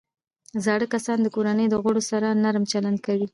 زاړه کسان د کورنۍ د غړو سره نرم چلند کوي